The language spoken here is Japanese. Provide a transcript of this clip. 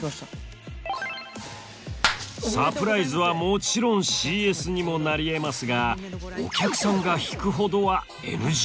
サプライズはもちろんＣＳにもなりえますがお客さんが引くほどはＮＧ。